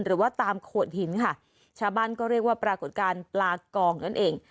หรือว่าตามโขดหินค่ะชาวบ้านก็เรียกว่าปรากฏการณ์ปลากองนั่นเอง